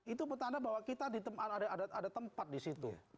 itu petanda bahwa kita ada tempat di situ